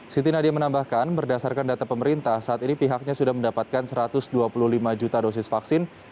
siti nadia menambahkan berdasarkan data pemerintah saat ini pihaknya sudah mendapatkan satu ratus dua puluh lima juta dosis vaksin